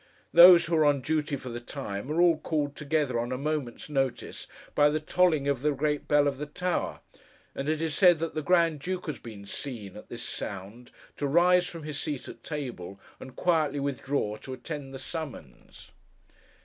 Those who are on duty for the time, are all called together, on a moment's notice, by the tolling of the great bell of the Tower; and it is said that the Grand Duke has been seen, at this sound, to rise from his seat at table, and quietly withdraw to attend the summons.